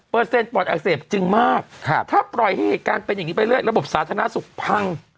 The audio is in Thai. ปอดอักเสบจึงมากถ้าปล่อยให้เหตุการณ์เป็นอย่างนี้ไปเรื่อยระบบสาธารณสุขพัง